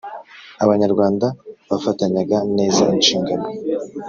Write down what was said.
Abanyarwanda bafatanyaga neza inshingano.